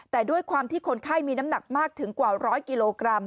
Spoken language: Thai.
แต่ด้วยความที่คนไข้มีน้ำหนักมากถึงกว่า๑๐๐กิโลกรัม